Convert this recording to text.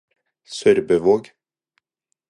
SørbØvåg